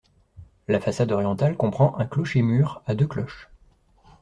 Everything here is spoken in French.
La façade orientale comprend un clocher-mur à deux cloches.